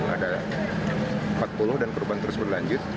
ada empat puluh dan korban terus berlanjut